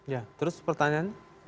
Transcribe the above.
ya terus pertanyaannya